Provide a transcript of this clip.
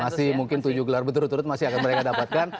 masih mungkin tujuh gelar berturut turut masih akan mereka dapatkan